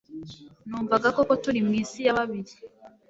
numvaga koko turi mwisi ya babiri